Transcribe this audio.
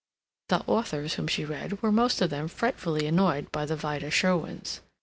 The authors whom she read were most of them frightfully annoyed by the Vida Sherwins.